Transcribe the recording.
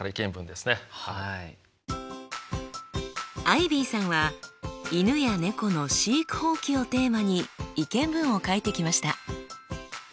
アイビーさんは犬や猫の飼育放棄をテーマに意見文を書いてきました。